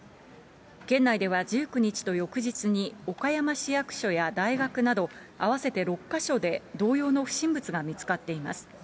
県内では１９日と翌日に、岡山市役所や大学など合わせて６か所で同様の不審物が見つかっています。